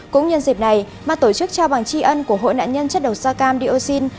cũng nhân dịp này ban tổ chức trao bằng tri ân của hội nạn nhân chất độc da cam dioxin